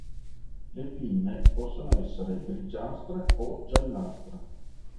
Le pinne possono essere grigiastre o giallastre.